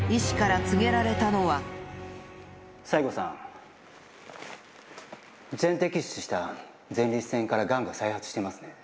西郷さん、全摘出した前立腺からがんが再発していますね。